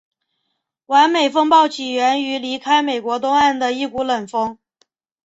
完美风暴起源于离开美国东岸的一股冷锋。